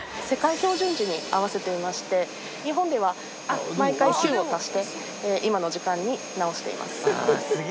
世界標準時に合わせていまして、日本では毎回９を足して、今の時間に直しています。